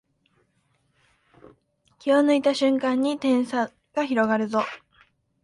気を抜いた瞬間に点差が広がるぞ